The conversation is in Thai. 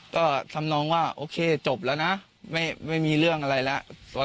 ก็ทำนองว่าโอเคจบแล้วนะไม่มีเรื่องอะไรแล้ว